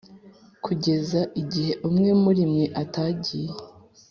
kugeza igihe umwe muri mwe atagiye.